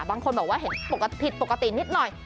บางคนบอกว่าเห็นปกติผิดปกตินิดหน่อย